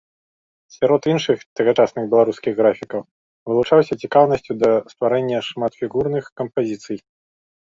Сярод іншых тагачасных беларускіх графікаў вылучаўся цікаўнасцю да стварэння шматфігурных кампазіцый.